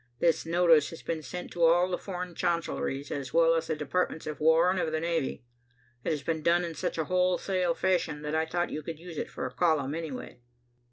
This notice has been sent to all the foreign chancelleries, as well as the departments of war and of the navy. It has been done in such a wholesale fashion that I thought you could use it for a column anyway."